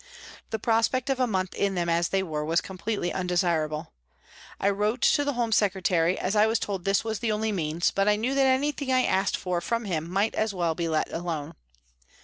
The prospect of a month in them as they were was extremely undesirable. I wrote to the Home Secre tary, as I was told this was the only means, but I knew that anything I asked for from him might as well be let alone.